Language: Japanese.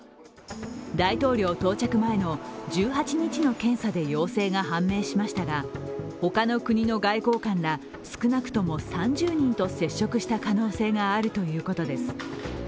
大統領到着前の１８日の検査で陽性が判明しましたが他の国の外交官ら少なくとも３０人と接触した可能性があるということです。